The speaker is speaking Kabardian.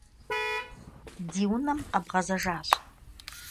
De vunem khedğezejjaş.